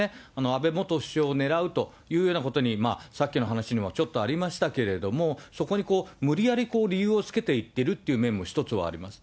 安倍元首相を狙うというようなことに、さっきの話にもちょっとありましたけれども、そこに無理やり理由をつけていってるという面も一つはあります。